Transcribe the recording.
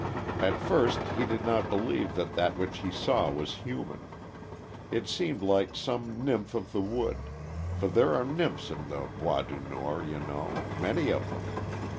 At first he did not believe that that which he saw was human. It seemed like some nymph of the wood; for there are nymphs in the Bois du Nord, you know, many of them.